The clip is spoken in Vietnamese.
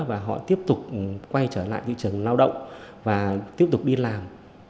và họ tiếp tục quay trở lại thị trường lao động và tiếp tục đi làm